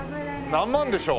何万でしょう？